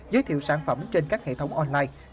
giới thiệu sản phẩm trên các hệ thống online